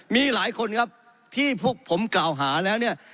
มีหลายคนครับที่พวกผมกล่าวหาแล้วเนี่ย